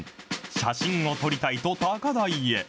写真を撮りたいと高台へ。